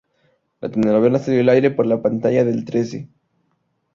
La telenovela salió al aire por la pantalla de El Trece.